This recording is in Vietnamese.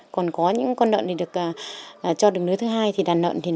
còn có những con nợn thì được cho được nứa thứ hai